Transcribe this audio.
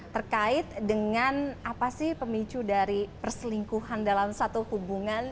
terkait dengan apa sih pemicu dari perselingkuhan dalam satu hubungan